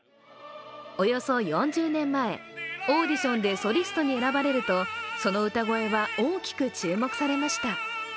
およそ４０年前、オーディションでソリストに選ばれると、その歌声は大きく注目されました。